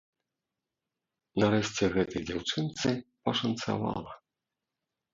Нарэшце гэтай дзяўчынцы пашанцавала.